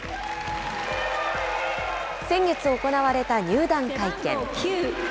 先月行われた入団会見。